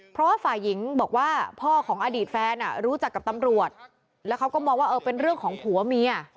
เพราะว่าฝ่ายหญิงบอกว่าพ่อของอดีตแฟนรู้จักกับตำรวจแล้วเขาก็มองว่าเออเป็นเรื่องของผัวเมีย